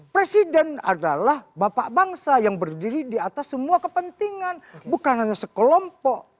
presiden adalah bapak bangsa yang berdiri di atas semua kepentingan bukan hanya sekelompok